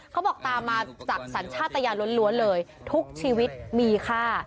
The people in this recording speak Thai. เขาบอกตามมาจากสัญชาติยานล้วนเลยทุกชีวิตมีค่า